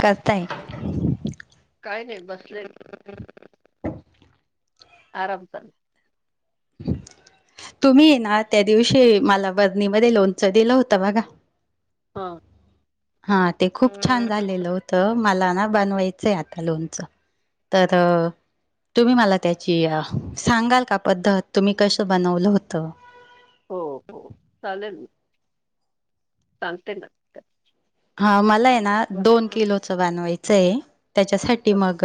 करताय. काय नाही बसले. [unintelligible] आराम चा तुम्ही ये ना त्या दिवशी मला बर्नीमध्ये लोनच दिलं होत बघा. हा. हा ते खूप छान झालेलं होतं मला ना बनवायचंय आता लोनचा. तर तुम्ही मला त्याची सांगाल का पद्धत तुम्ही कसं बनवलं होतं. हो चालेल. चालते ना. हा मला आहे ना बस, दोन किलोच बनवायचं आहे त्याच्यासाठी बस. मग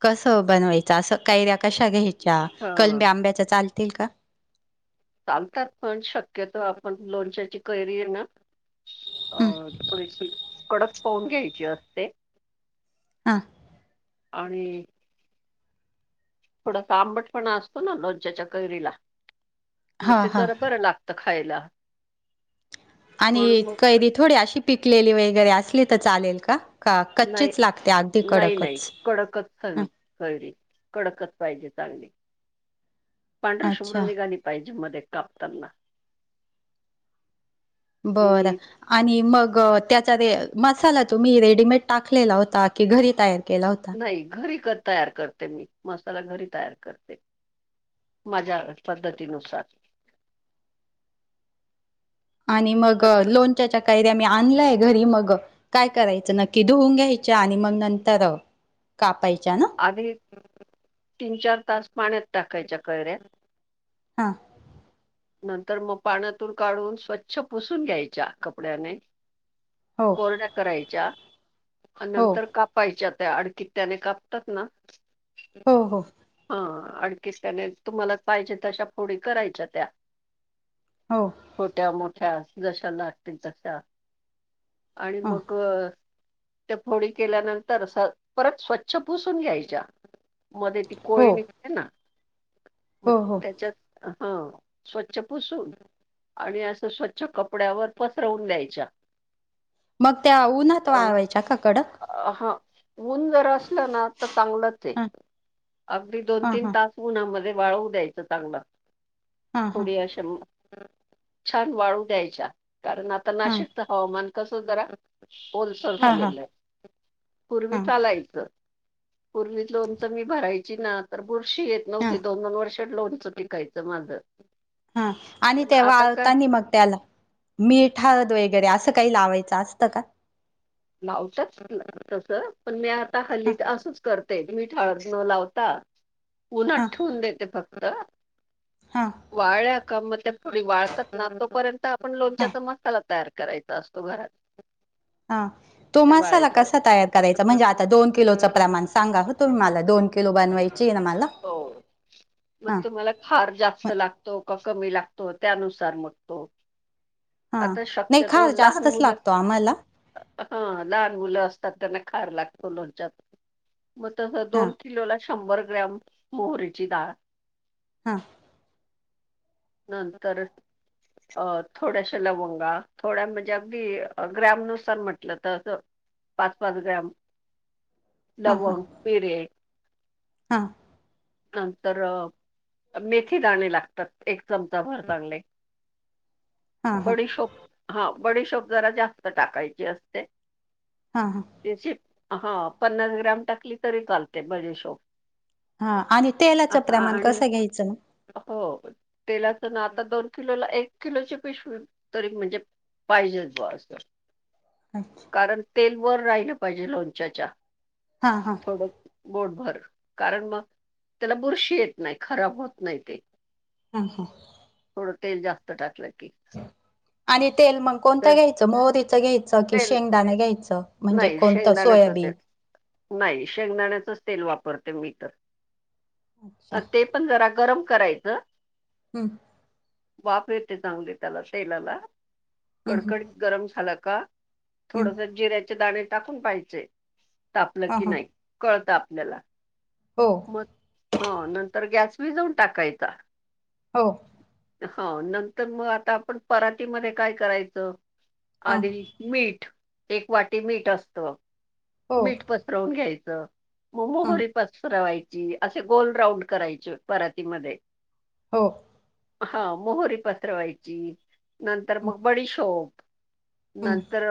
कस बनवायचा असं कैऱ्या कशा घ्यायच्या हा कलमी आंब्याच्या चालतील का? चालतात पण शक्यतो आपण लोणच्याची कैरी आहे ना हं, अ थोडीशी कडक पाहून घ्यायची असते. हा. [inaudible] आणि थोडासा आंबटपणा असतो ना लोणच्याच्या कैरीला मग हां ते हां जरा बरं लाग त खायला. आणि म्हणून मग कैरी थोडी अशी पिकलेली वगैरे असली तर चालेल का? का नाही कच्चीच लागते अगदी नाही नाही कडकच. कडकच अ हवी कैरी कडकच पाहिजे चांगली. पांढर शुभ्र अच्छा निघाली पाहिजे मध्ये कापताना. आणि बरं आणि मग त्याचा रे मसाला तुम्ही रेडीमेड टाकलेला होता की घरी तयार केला होता? नाही घरी तयार करते मी मसाला घरी तयार करते. माझ्या पद्धतीनुसार. [inaudible] आणि मग त्यातलं लोणच्याच्या कैऱ्या मी आणलंय घरी मग काय करायचं नक्की धुऊून घ्यायच्या आणि मग नंतर कापायच्या ना. आधी तीन-चार तास पाण्यात टाकायच्या कैऱ्या. हां. [inaudible] नंतर मग पाण्यातून काढून स्वच्छ पुसून घ्यायच्या कपड्याने. हो कोरड्या करायच्या हो नंतर कापायच्या त्या अडखीत्याने काप तात ना. हो हो. हा आणखीत्याने तुम्हाला पाहिजे तशा फोडी करायच्या त्या. हो. छोट्या-मोठ्या जशा लाटतील तशा आणि हां मग ते फोडी केल्यानंतर परत स्वच्छ पुसून घ्यायच्या मध्ये हो कोडी निघते ना हो हो. त्याच्यात हा स्वच्छ पुसून आणि असं स्वच्छ कपड्यावर पसरवून द्यायच्या. मग त्या उन्हात वाळवायच्या का कडक? अ ह ऊन जर असलं ना तर चांगलंच आहे. हां अगदी हां दोन-तीन हां तास उन्हामध्ये वाळवू द्यायचं चांगलं हां हां. थोडी अशा छान वाळू द्यायच्या कारण आता हा नाशिकता हवामान कस जरा ओलसर हा हा झालेलं आहे पूर्वी हा चालायचं. पूर्वी लोनंच मीं भरायची ना तरं बुरशी येतं हा नव्हती दोन दोन वर्ष लोनच टिकायचं माझं. हां आणि पण ते आता काय वाळतानी मगं त्याला मिठ हळद वगैरे असं काही लावायचं असतं कां. लावतात तसं पणं मीं आता हा हल्लीत असंच करते मीठ हळद नं लावता हा ऊनात ठवून देते फक्तं हां वाळ्या कां मगं त्यां थोडी वाळतात ना तोपर्यंत आपणं हा लोणच्याचा मसाला तयार करायचा, असतों घरांत. हां तो मसाला वाळेपर्यंत कसा तयार करायचा म्हणजे आता दोन किलोच प्रमाणं सांगा हो तुम्हीं मला दोन किलो बनवायची आहे ना मला. हो म हां तूम्हाला फार जास्तं लागतो कां कमी लागतो त्यानुसार मगं तो. हां आता नाही शक्यतो खार लहान जास्तच मुलं. लागतो आम्हाला हां लहान मुलं असतांत त्यांना खार लागतो लोणच्यात मगं तसं हां दोन किलो ला शंभर ग्रॅम मोहरीची डाळं हां नंतर अं थोड्याशा लवंगा थोड्या म्हणजे अगदी ग्राम नुसार म्हटलं तसं पांच पांच ग्राम [unintelligible] लवंग मिरे हां नंतर मेथीदाणे लागतात. एक चमचा भार चांगले हां हां बडीशोप. हां बडीशोप जरा जास्तं टाकायची असतें. हां हां त्याचीं हां पन्नास ग्रॅम टाकली तरी चालतें बडीशोप. हां आणि अ, तेलाचं हां प्रमाणं आणि कसं घ्यायचं मगं. हो. तेलाचं ना आता दोन किलोला एक किलो पिशवी तरी म्हणजे पाहिजेच बुवा असं अच्छा. कारणं तेल वरं राहिलं पाहिजे लोणच्याच्या. हां हां. थोडं बोटभर कारणं मगं त्याला बुरशी येतं नाहीं खराब होतं नाहीं ते. हा हा. थोडं तेल जास्तं टाकलं की. आणि तेल मगं कोणतं तर घ्यायचं मोहरीचं घ्यायचं कि तेल शेंगदाणे घ्यायचं. म्हणजे कोणतं सोयाबीन. नाहीं शेंगदाण्याचचं तेल वापरते मीं अच्छा तरं ते. पणं जरां गरमं करायचं. हम्मं. वांफ येते चांगली त्यांला तेलालां हम्म हम्म कडकडीत गरमं झालां कां. हम्म थोडंसं जिऱ्याचे दांणे टाकूंन पाहांयचे तापलं हा की हा नाहीं. कळतं आपल्याला हो मग हख नंतर गॅस विझवू टाकायचा. हो. हो नंतर मग आता आपण परातीमध्ये काय करायचं हां आधी? मीठ एक वाटी मीठ असतं हो मीठ पसरवून घ्यायचं. हां मोहरी पसरवायची असे गोल राऊंड करायचे परातीमध्ये. हो. हा मोहरी पसरवायची नंतर हम्म मग बडीशोप. हम्म नंतर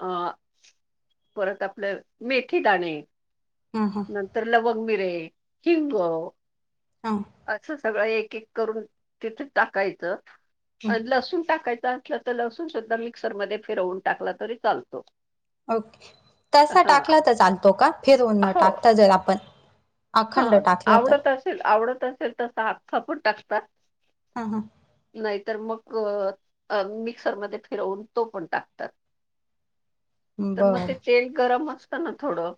अ परत आपलं मेथीदाणे हम्म हम्म नंतर लवंग मिरे हिंग हां असं सगळं एक एक करून तिथे टाकायचं हम्म आणि लसून टाकायचा. तर लसून सुद्धा मिक्सर मध्ये फिरवून टाकला तरी चालतो. ओके. तसा हा टाकला तर चालतो का फिरवून न हो टाकता जर आपण हा अखंड टाकला तर? आवडत असेल आवडत असेल तसा अख्खापण टाकता. हा हा नाहीतर मग मिक्सरमध्ये फिरवून तो पण टाकतात. तर मग बरं ते तेल गरम असतं ना थोडं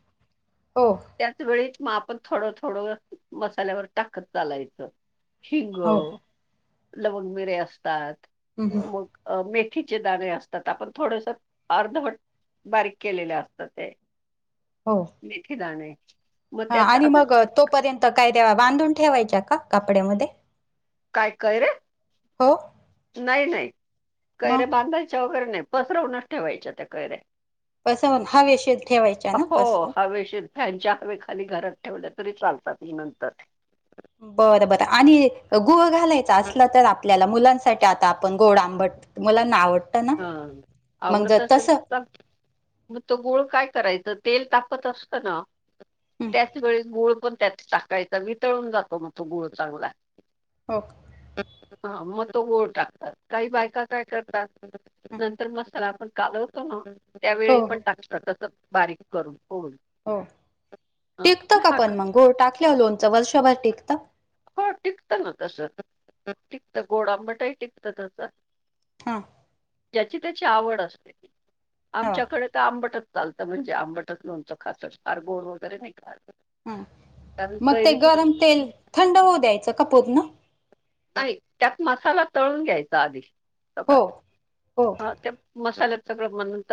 हो त्याच वेळीच मग आपण थोडं थोडं मसाल्यावर टाकत चालायचं. हिंग हो लवंग मिरे असतात हम्म हम्म मग अ मेथीचे दाणे असतात आपण थोडंसं अर्धवट बारीक केलेले असतात. तर ते हो मेथी दाणे मग हा त्यात आणि असंच मग तोपर्यंत काय त्या बांधून ठेवायच्या का कापड्यामध्ये? काय कैऱ्या हो नाही नाही मग कैऱ्या बांधायच्या वगैरे नाही. पसरवूणच ठेवायच्या त्या कैऱ्या. कसं हवेशीर ठेवायचा ना? हो पसरून हवेशीर फॅनच्या हवेखाली घरात ठेवल तरी चालतात नंतर बरं बरं आणि गुळ घालायचा असला तर आपल्याला मुलांसाठी? ते आता आपण गोड आंबट मुलाना आवडत हा आवडत असेल तर मग तो गुळ काय करायच तेल तापत असतं ना हं, त्याच वेळी गुळ पण त्यात टाकायचा वितळून जातो मग तो गुळ चांगला [unintelligible] हा मग तो गुळ टाकतात काही बायका काय करतात हं, नंतर मसाला आपण कालवतो ना हो त्यावेळी हो पण टाकत तसं बारीक करून, हो हो टिकत का पण क- मग? गूळ टाकल्यावर लोनचं वर्षभर टिकत? हो टिकत ना तस, टिकत गोड आंबटही टिकत तस. हा ज्याची त्याची आवड असते हो आमच्याकडे आंबटच चालत म्हणजे आंबटच लोणच खातात फार गोड वगैरे नाही खात हा कारण मग ते कैरी गरम तेल थंड होऊ द्यायचं का पूर्ण? नाही त्यात मसाला तळून घ्यायचा आधी सगळा, हो हो म ते मसाल्यात सगळ मंद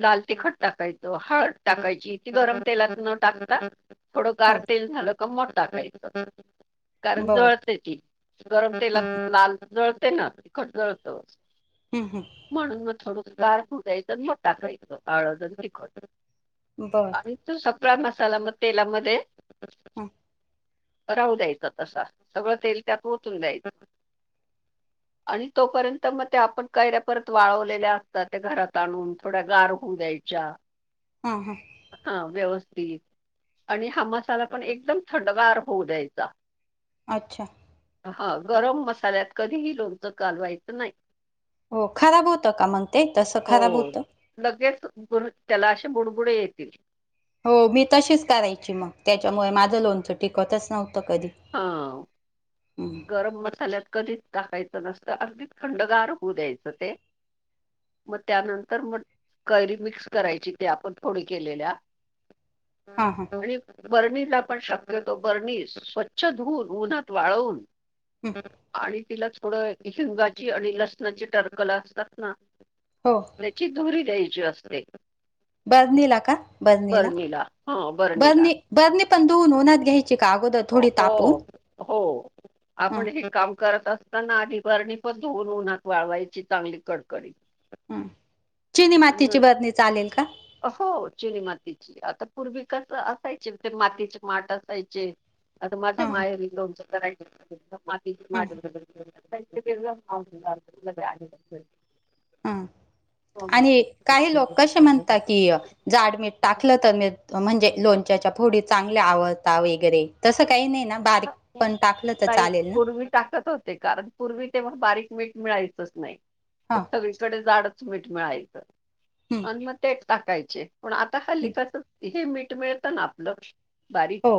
लाल तिखट टाकायच, हळद टाकायची ती गरम तेलात न टाकता थोड गार हो तेल झाल का म टाकायच कारण बर जळते ती गरम हं, तेलात लाल जळते ना तिखट जळत हम्म हम्म म्हणून मग थोड गार होऊ द्यायचं म टाकायच हळद अन तिखट हं, बर अणि तो सगळा मसाला म तेलामध्ये हं, राहू द्यायचा तसा सगळ तेल त्यात ओतून द्यायच [inaudible] आणि तोपर्यंत मग ते आपण कैऱ्या परत वाळवलेल्या असतात त्या घरात आणून थोड्या गार होऊ द्यायच्या हा हा हा व्यवस्थित आणि हा मसाला पण एकदम थंडगार होऊ द्यायचा अच्छा हा गरम मसाल्यात कधीही लोणच कालवायच नाही. हो खराब होत का म ते? तस खराब हो होत लगेच बुड त्याला असे बुडबुडे येतील हो मी तशीच करायची मग त्याच्यामुळे माझ लोणच टिकतच नव्हतं कधी. हा, हम्म. गरम मसाल्यात कधी टाकायच नसत. अगदीच खंडगार होऊ द्यायच ते मग त्यानंतर मग कैरी मिक्स करायची ते आपण फोडी केलेल्या [inaudible] आणि बरणी ला पण शक्यतो बरणी स्वच्छ धुवून उन्हात वाळवून हम्म. आणि तिला थोडं हिंगाची आणि लसणाची टरफल असतात ना? हो. त्याची धुरी द्यायची असते बरणी ला का? बरणी ला? बरणीला हा बरणीला बरणी बरणी पण धुऊन उन्हात घ्यायची का अगोदर थोडी तापवून हो हो. आपण हे काम करत असताना आधी बरणी पण धुऊन उन्हात वाळवायची चांगली कडकडीत हा, चिनी आणि मग मातीची बरणी चालेल का? हो चिनी मातीची, आता पूर्वी कस असायचे ते मातीचे माठ असायचे अता माझ्या हम्म हम्म. माहेरी लोणचं करायचे मातीचे माठ हम्म भरून [inaudible] हा आणि काही लोक कसे म्हणतात की जाड मीठ टाकलं तर मी म्हणजे लोणच्याच्या फोडी चांगल्या आवळतात वगैरे तसं काही नाही ना. बारीक पण टाकलं तर काही चालेल ना पूर्वी टाकत होते कारण पूर्वी तेव्हा बारीक मीठ मिळायचंच नाही, हा सगळीकडे जाडच मीठ मिळायचं. हम्म अन म ते टाकायचे पण आता हल्ली हम्म कस हे मीठ मिळत ना. आपल बारीक हो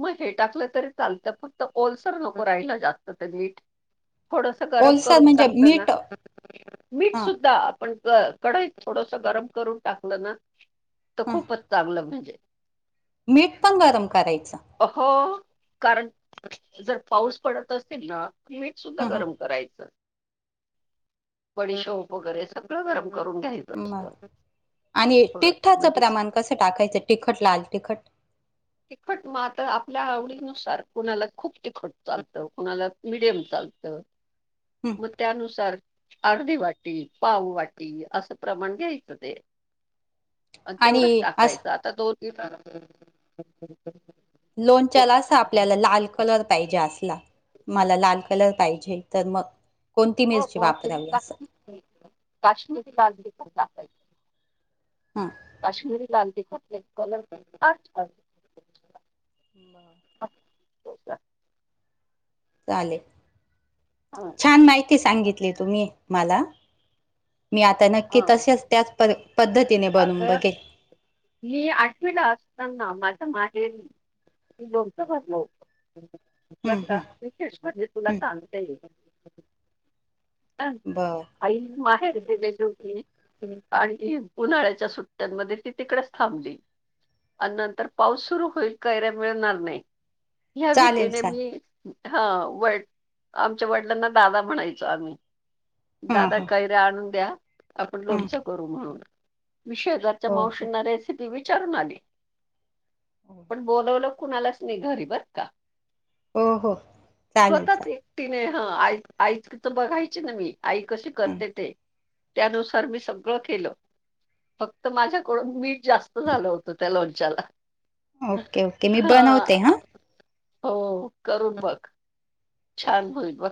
मग हे टाकल तरी चालत. फक्त ओलसर नको राहिला जास्त ते मीट. थोडस गरम ओलसर करून म्हणजे टाकल ना, मीठ मीठ हा सुद्धा आपण कढईत थोडस गरम करून टाकल ना, तर हा खूपच चांगल म्हणजे मीठ पण गरम करायच. हो, कारण जर पाऊस पडत असेल ना मीठ सुद्धा हं गरम हं करायच. बडीशोप वगैरे सगळ गरम करून घ्यायच. म आणि तिखटाच म्हणजे प्रमाण कस टाकायच. तिखट लाल तिखट. तिखट मग आता आपल्या आवडीनुसार. कुणाला खूप तिखट चालत कुणाला मिडियम चालत. हं म त्यानुसार अर्धी वाटी, पाव वाटी अस प्रमाण घ्यायच ते. आणि तेवढच टाकायच. आता दोन दि लोणच्याला अस आपल्याला लाल कलर पाहिजे असला मला लाल कलर पाहिजे, तर मग कोणती मिरची वापरावी अस. काश्मिरी लाल तिखट टाकायच. हं काश्मिरी लाल तिखट ने कलर बा चालेल, छान माहिती सांगितली तुम्ही मला. मी आता नक्की तसेच, त्याच पद्धतीने बनून अगं बघेल. मी आठवीला असताना माझ्या माहेरी मी लोणच भरल होत. हं हं विशेष म्हणजे तुला हं सांगता येईल. ह, बर आई माहेरी गेलेली होती. आणि उन्हाळ्याच्या सुट्ट्यांमध्ये ती तिकडेच थांबली. आणि, नंतर पाऊस सुरू होईल कैऱ्या मिळणार नाही. ह्या चालेल भीतीने मी, चालेल हा व आमच्या वडिलांना दादा म्हणायचो आम्ही. हां दादा हां कैऱ्या आणून द्या. आपण हां लोणच करू म्हणून. मी शेजार च्या हो मावशींना रेसिपी विचारून आली. हो पण बोलवल कुणालाच घरी बरका, हो हो चालेल स्वतः चालेल तिने ह, आ आई तर बघायची ना मी आई कशी हं करते ते. त्यानुसार मी सगळ केल. फक्त माझ्याकडून मीठ जास्त झाल होत त्या लोणच्याला. ओके ओके मी बनवते हा ह. हो करून बघ. छान होईल बघ.